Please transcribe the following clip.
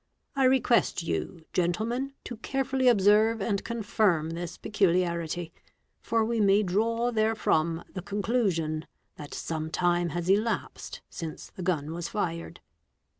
I request you, gentlemen, to carefully observe and confirm this peculiarity, for we may draw therefrom the conclusion that some time has elapsed since the gun was fired.